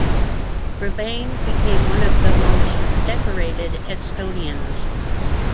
Rebane became one of the most decorated Estonians.